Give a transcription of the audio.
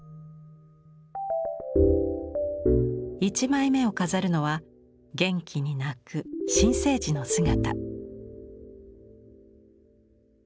１枚目を飾るのは元気に泣く新生児の姿。